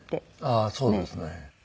ああそうですね。